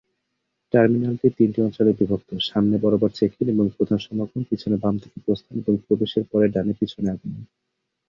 টার্মিনালটি তিনটি অঞ্চলে বিভক্ত: সামনে বরাবর চেক-ইন এবং প্রধান সমাগম, পিছনে বাম দিকে প্রস্থান এবং প্রবেশের পরে ডানে পিছনে আগমন।